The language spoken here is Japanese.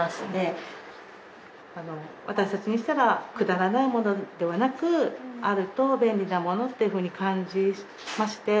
私たちにしたらくだらないものではなくあると便利なものっていうふうに感じまして。